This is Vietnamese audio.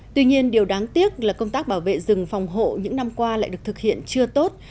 tuy nhiên điều đáng tiếc là công tác bảo vệ rừng phòng hộ những năm qua lại được thực hiện chưa tốt